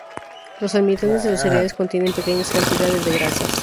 Los almidones de los cereales contienen pequeñas cantidades de grasas.